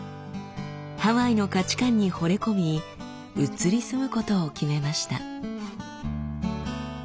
ハワイの価値観にほれ込み移り住むことを決めました。